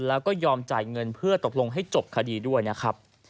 แล้วก็ยอมจ่ายเงินเพื่อตกลงให้จบคดีด้วยนะครับ